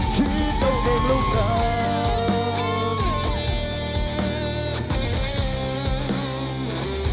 คิดต่อเองแล้วกัน